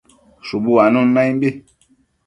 Shubu uanun naimbi